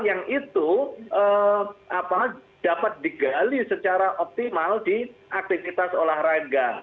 yang itu dapat digali secara optimal di aktivitas olahraga